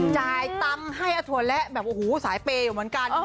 จ่ายตังค์ให้อทัวร์แระแบบสายเพย์อยู่เหมือนกัน